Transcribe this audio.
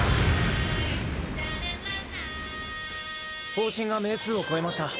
砲身が命数を超えました。